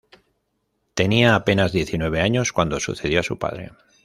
Tenía apenas diecinueve años cuando sucedió a su padre.